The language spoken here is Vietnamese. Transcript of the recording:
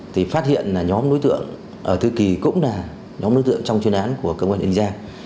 thì phát hiện là nhóm đối tượng ở thư kỳ cũng là nhóm đối tượng trong chuyên án của công an ninh giang